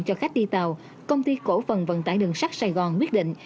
cho khách đi tàu công ty cổ phần vận tải đường sắt sài gòn quyết định